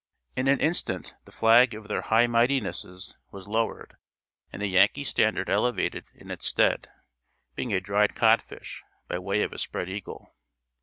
In an instant the flag of their High Mightinesses was lowered, and the Yankee standard elevated in its stead, being a dried codfish, by way of a spread eagle.